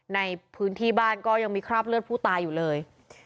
ในพื้นที่บ้านก็ยังมีคราบเลือดผู้ตายอยู่เลย